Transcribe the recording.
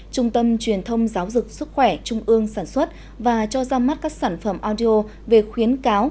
trung tâm truyền thông giáo dục sức khỏe trung ương sản xuất và cho ra mắt các sản phẩm audio về khuyến cáo